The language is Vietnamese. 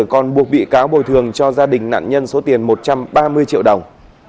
còn buộc bị cáo bồi thường cho gia đình nạn nhân số tiền một trăm ba mươi triệu đồng